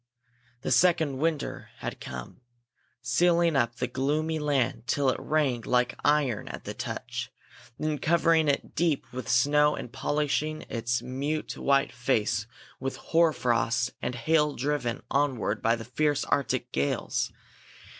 The second winter had come, sealing up the gloomy land till it rang like iron at the touch, then covering it deep with snow and polishing its mute white face with hoar frost and hail driven onward by the fierce Arctic gales.